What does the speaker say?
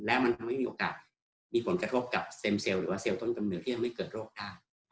และมันทำให้มีโอกาสมีผลกระทบกับเซลต้นกำเนิดที่ทำให้เกิดโรคได้